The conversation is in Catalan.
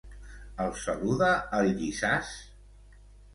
El saluda el Llissàs?